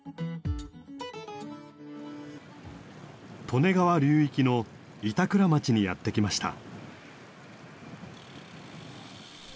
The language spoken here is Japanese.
利根川流域の板倉町にやって来ました。